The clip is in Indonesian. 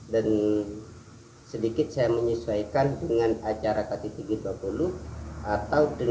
dan sedikit saya menyesuaikan dengan acara kttg dua puluh atau dengan para tamu tamu kepala negara yang masuk dalam gabungan kttg dua puluh